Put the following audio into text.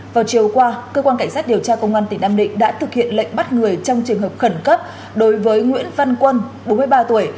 vào chiều qua cơ quan cảnh sát điều tra công an tỉnh nam định đã thực hiện lệnh bắt người trong trường hợp khẩn cấp đối với nguyễn văn quân bốn mươi ba tuổi